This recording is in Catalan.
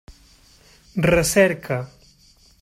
Recerca.